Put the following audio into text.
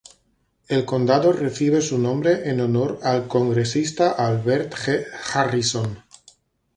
El condado recibe su nombre en honor al Congresista Albert G. Harrison.